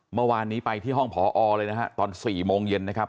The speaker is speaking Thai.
เมื่อวานนี้ไปที่ห้องพอเลยนะฮะตอน๔โมงเย็นนะครับ